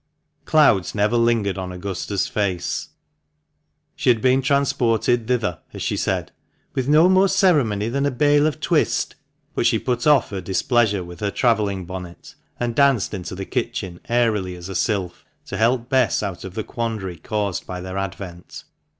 Clouds never lingered on Augusta's face ; she had been transported thither, as she said, "with no more ceremony than a bale of twist," but she put off her displeasure with her travelling bonnet, and danced into the kitchen airily as a sylph, to help Bess out of the quandary caused by their advent.